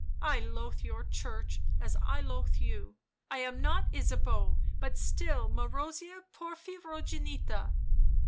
" I loathe your Church as I loathe you. I am not Ysabeau, but still Marozia Porphyrogenita."